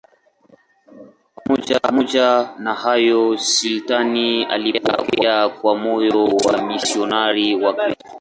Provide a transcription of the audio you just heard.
Pamoja na hayo, sultani alipokea kwa moyo wamisionari Wakristo.